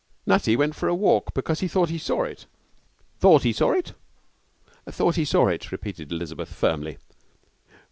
'Nutty went for a walk because he thought he saw it.' 'Thought he saw it?' 'Thought he saw it,' repeated Elizabeth, firmly.